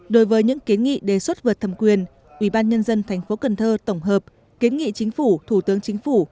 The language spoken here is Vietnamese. đối với những kiến nghị đề xuất vượt thẩm quyền ubnd tp cần thơ tổng hợp kiến nghị chính phủ thủ tướng chính phủ